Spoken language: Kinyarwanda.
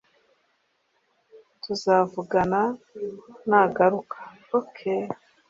tuzavugana nagaruka, ok